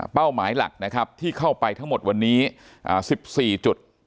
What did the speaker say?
เป้าหมายหลักที่เข้าไปทั้งหมดวันนี้๑๔จุด